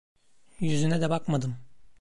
Yüzüne de bakmadım.